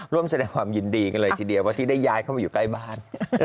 ร่วมแสดงความยินดีกันเลยทีเดียวว่าที่ได้ย้ายเข้ามาอยู่ใกล้บ้าน